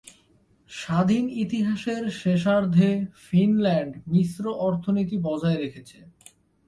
স্বাধীন ইতিহাসের শেষার্ধে ফিনল্যান্ড মিশ্র অর্থনীতি বজায় রেখেছে।